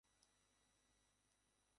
চলচ্চিত্রটি একটি সুখী মন্তব্যে শেষ হয়েছে।